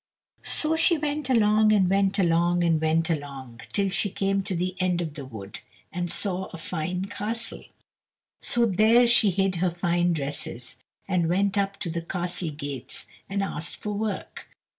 So she went along and went along and went along, till she came to the end of the wood, and saw a fine castle. So there she hid her fine dresses, and went up to the castle gates, and asked for work.